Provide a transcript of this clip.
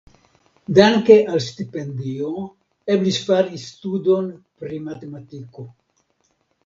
Danke al stipendio eblis fari studon pri matetmatiko.